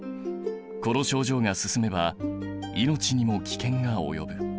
この症状が進めば命にも危険が及ぶ。